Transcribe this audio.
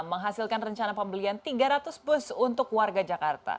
menghasilkan rencana pembelian tiga ratus bus untuk warga jakarta